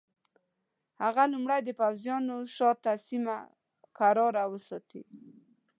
هغه لومړی د پوځیانو شاته سیمه کراره وساتي.